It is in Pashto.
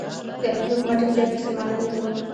د هند حکومت ډېر زیات مسلمانان ونیول.